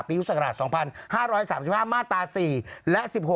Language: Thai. ปีศส๒๕๓๕มาตร๔และ๑๖